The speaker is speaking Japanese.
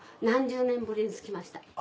何十年ぶりにつきました。